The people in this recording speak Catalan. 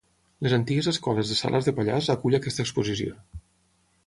Les antigues escoles de Salàs de Pallars acull aquesta exposició.